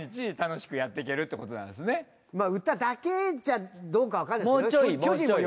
まあ歌だけじゃどうかわかんないですよ。